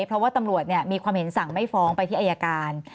เพราะว่าตำรวจมีความเห็นสั่งไม่ฟ้องไปที่อายการ